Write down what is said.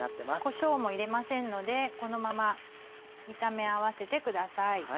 こしょうも入れませんのでこのまま炒め合わせてください。